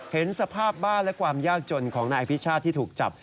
เห็นสภาพบ้านและความยากจนของนายอภิชาติที่ถูกจับ